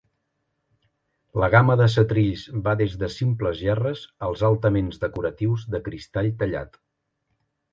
La gamma de setrills va des de simples gerres als altament decoratius de cristall tallat.